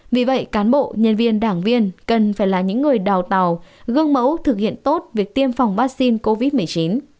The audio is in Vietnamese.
vì vậy cán bộ nhân viên đảng viên cần phải là những người đào tạo gương mẫu thực hiện tốt việc tiêm phòng vaccine covid một mươi chín